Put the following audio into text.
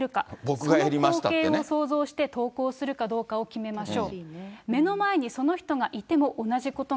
その光景を想像して投稿するかどうかを決めましょう。